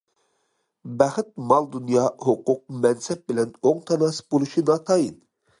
بەخت مال- دۇنيا، ھوقۇق، مەنسەپ بىلەن ئوڭ تاناسىپ بولۇشى ناتايىن.